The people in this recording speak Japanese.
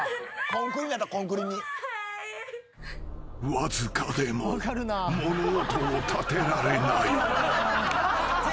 ［わずかでも物音を立てられない］